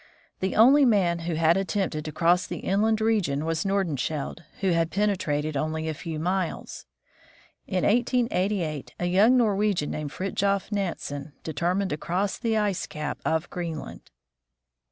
The only man who had attempted to cross the inland region was Nordenskjold, who had penetrated only a few miles. In 1888 a young Norwegian named Fridtjof Nansen determined to cross the ice cap of Greenland.